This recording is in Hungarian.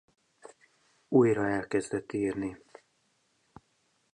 Újra elkezdett írni.